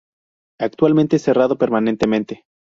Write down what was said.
Actualmente cerrado permanentemente.